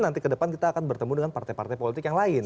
nanti ke depan kita akan bertemu dengan partai partai politik yang lain